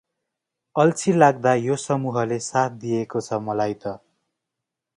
अल्छी लाग्दा यो समूहले साथ दिएको छ मलाई त।